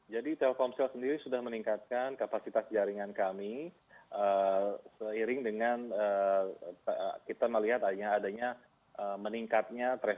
jadi telkomsel sendiri sudah meningkatkan kapasitas jaringan kami seiring dengan kita melihat adanya meningkatnya traffic traffic